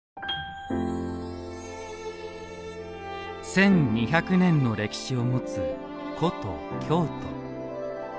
１２００年の歴史を持つ古都・京都。